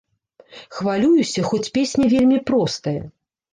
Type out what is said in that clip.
Хвалююся, хоць песня вельмі простая.